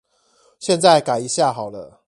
現在改一下好了